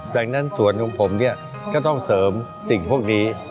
ดังนั้นสวนของผมเนี่ยก็ต้องเสริมสิ่งพวกนี้